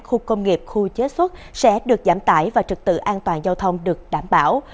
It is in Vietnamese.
khu công nghiệp khu chế xuất sẽ được giảm tải và trực tự an toàn giao thông được đảm bảo